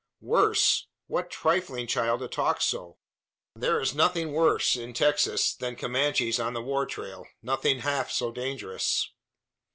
"Worse! What trifling, child, to talk so! There is nothing worse, in Texas, than Comanches on the war trail nothing half so dangerous."